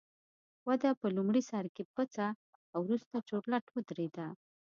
وده په لومړي سر کې پڅه او وروسته چورلټ ودرېده